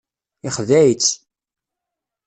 Yexdeɛ-itt.